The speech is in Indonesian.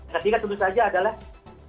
ketiga tentu saja adalah